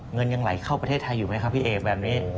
เงินยังไหลเข้าประเทศไทยอยู่ไหมครับพี่เอกแบบนี้